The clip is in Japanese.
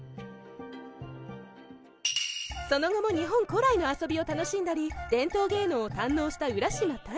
その後も日本古来の遊びを楽しんだり伝統芸能を堪能した浦島太郎